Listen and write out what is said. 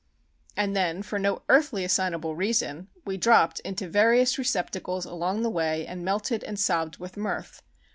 And then, for no earthly assignable reason, we dropped into various receptacles along the way and melted and sobbed with mirth.